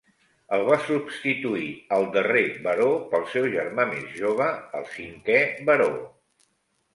Es va substituir el darrer baró pel seu germà més jove, el cinquè baró.